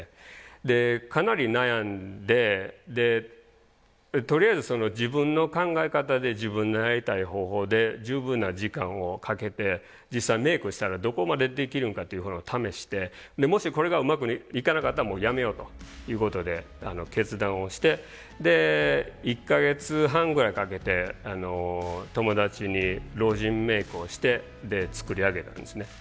でかなり悩んでとりあえず自分の考え方で自分のやりたい方法で十分な時間をかけて実際メイクをしたらどこまでできるんかっていうことを試してもしこれがうまくいかなかったらもうやめようということで決断をしてで１か月半ぐらいかけて友達に老人メイクをして作り上げたんですね。